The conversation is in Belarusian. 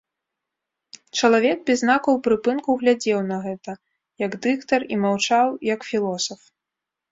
Чалавек без знакаў прыпынку глядзеў на гэта, як дыктатар, і маўчаў, як філосаф.